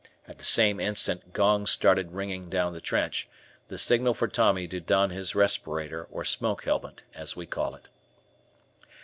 At the same instant, gongs started ringing down the trench, the signal for Tommy to don his respirator, or smoke helmet, as we call it.